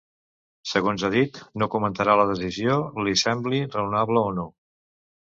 Segons ha dit, no comentarà la decisió, li sembli “raonable o no”.